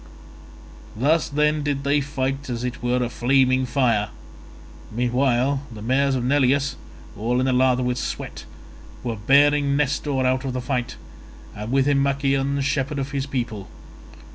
Thus then did they fight as it were a flaming fire. Meanwhile the mares of Neleus, all in a lather with sweat, were bearing Nestor out of the fight, and with him Machaon shepherd of his people.